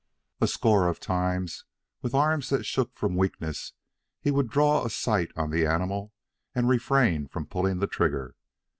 A score of times, with arms that shook from weakness, he would draw a sight on the animal and refrain from pulling the trigger.